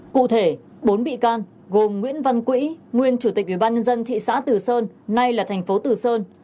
cụ thể bốn bị can gồm nguyễn văn quỹ nguyên chủ tịch ubnd thị xã từ sơn nay là thành phố từ sơn